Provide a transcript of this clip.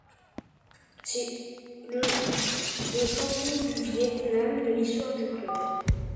C'est le de champion du Viêt Nam de l'histoire du club.